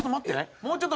もうちょっと。